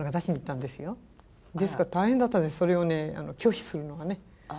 ですから大変だったんですそれを拒否するのがね。